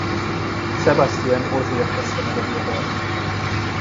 Sébastien Ogier kezdte meg a viadalt.